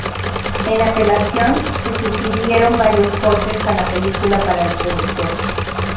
En apelación, se sugirieron varios cortes a la película para el productor.